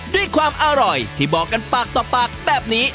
ด้วยความอร่อยที่บอกกันปากต่อปากแบบนี้